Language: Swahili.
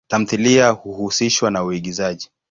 Tamthilia huhusishwa na uigizaji.